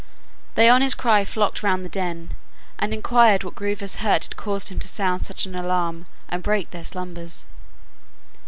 They on his cry flocked round the den, and inquired what grievous hurt had caused him to sound such an alarm and break their slumbers.